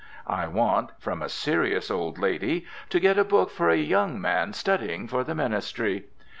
"I want," from a serious old lady, "to get a book for a young man studying for the ministry."